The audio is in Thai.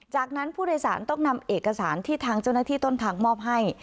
จากนั้นผู้โดยสารต้องนำเอกสารที่ทางเจ้าหน้าที่ต้นทางมอบให้